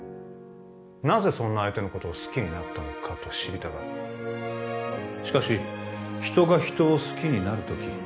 なぜそんな相手のことを好きになったのかと知りたがるしかし人が人を好きになる時